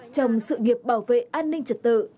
trong sự nghiệp bảo vệ an ninh trật tự